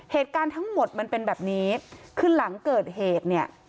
เหตุการณ์ทั้งหมดมันเป็นแบบนี้คือหลังเกิดเหตุเนี่ย